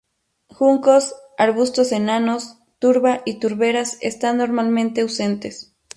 Juncos, arbustos enanos, turba y turberas están normalmente ausentes.